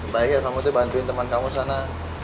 baiknya sama mbak bantuin teman kamu sana